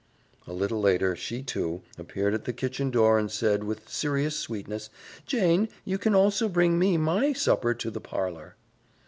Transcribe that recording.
A little later she, too, appeared at the kitchen door and said, with serious sweetness, "Jane, you can also bring me MY supper to the parlor."